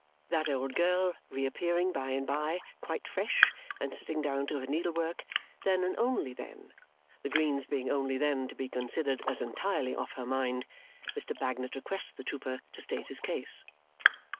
That old girl reappearing by and by, quite fresh, and sitting down to her needlework, then and only then the greens being only then to be considered as entirely off her mind Mr. Bagnet requests the trooper to state his case.